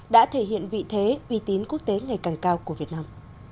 đã thể hiện vị thế uy tín quốc tế ngày càng cao của việt nam